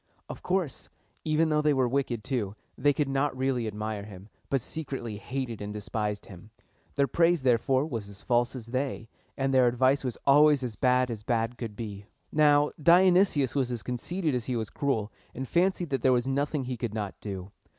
Of course, even though they were wicked too, they could not really admire him, but secretly hated and despised him. Their praise, therefore, was as false as they, and their advice was always as bad as bad could be. Now, Dionysius was as conceited as he was cruel, and fancied that there was nothing he could not do.